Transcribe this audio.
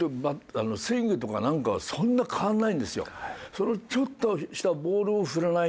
そのちょっとしたボールを振らないとかね